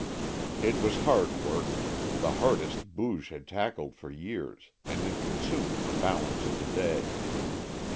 It was hard work the hardest Booge had tackled for years and it consumed the balance of the day.